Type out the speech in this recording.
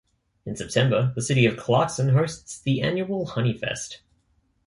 In September the city of Clarkson hosts the annual Honeyfest.